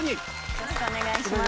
よろしくお願いします。